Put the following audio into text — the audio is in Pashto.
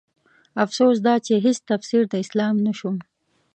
افسوس دا چې هيڅ تفسير د اسلام نه شوم